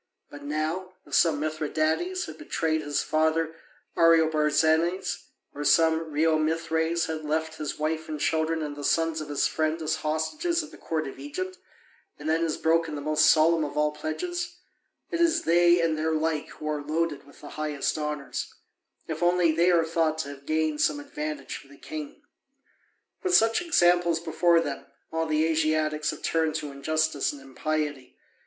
But now, if some Mithridates has betrayed his father Ariobarzanes, or some Reomithres has left his wife and children and the sons of his friend as hostages at the court of Egypt, and then has broken the most solemn of all pledges it is they and their like who are loaded with the highest honours, if only they are thought to have gained some advantage for the king. With such examples before them, all the Asiatics have turned to injustice and impiety.